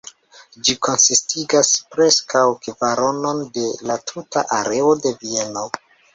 Ĝi konsistigas preskaŭ kvaronon de la tuta areo de Vieno.